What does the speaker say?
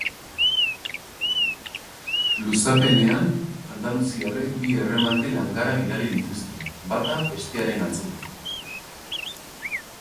Luzapenean, andaluziarrek bi erremate langara bidali dituzte, bata bestearen atzetik.